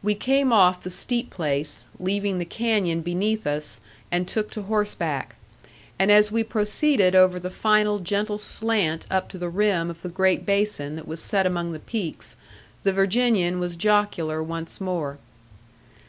We came off the steep place, leaving the canyon beneath us, and took to horseback. And as we proceeded over the final gentle slant up to the rim of the great basin that was set among the peaks, the Virginian was jocular once more.